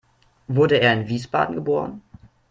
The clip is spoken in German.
Wurde er in Wiesbaden geboren?